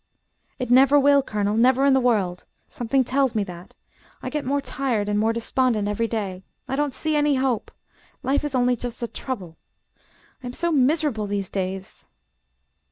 "It never will, Colonel, never in the world. Something tells me that. I get more tired and more despondent every day. I don't see any hope; life is only just a trouble. I am so miserable, these days!"